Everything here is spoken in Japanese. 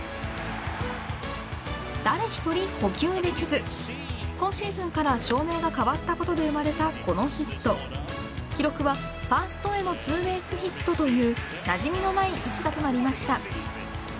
誰一人捕球できず今シーズンから照明が変わったことで生まれたこのヒット記録はファーストへのツーベースヒットというなじみのない一打となりました。